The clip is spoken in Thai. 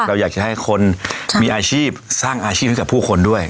เราอยากจะให้คนมีอาชีพสร้างอาชีพให้กับผู้คนด้วย